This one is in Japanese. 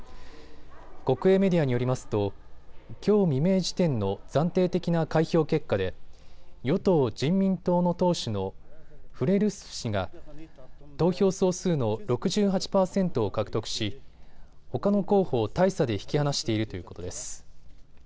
国営メディアによりますときょう未明時点の暫定的な開票結果で与党人民党の党首のフレルスフ氏が投票総数の６８％を獲得しほかの候補を大差で引き離しているということです。